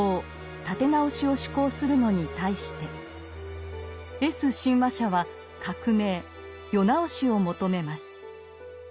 「立て直し」を志向するのに対してＳ親和者は革命「世直し」を求めます。